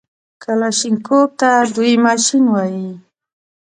کلاشينکوف ته دوى ماشين وايي.